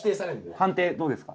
判定どうですか？